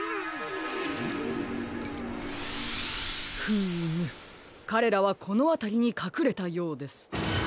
フームかれらはこのあたりにかくれたようです。